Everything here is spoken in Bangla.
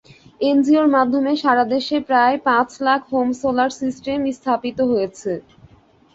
এনজিওর মাধ্যমে সারা দেশে প্রায় পাঁচ লাখ হোম সোলার সিস্টেম স্থাপিত হয়েছে।